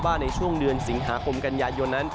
ในช่วงเดือนสิงหาคมกันยายนนั้น